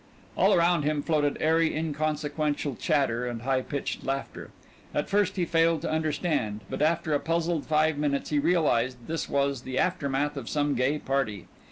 All around him floated airy, inconsequential chatter and high pitched laughter. At first he failed to understand, but after a puzzled five minutes he realized that this was the aftermath of some gay party.